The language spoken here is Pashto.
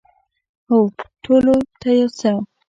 هو، ټولو ته یو څه